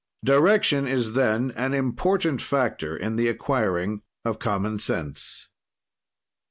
Direction is, then, an important factor in the acquiring of common sense.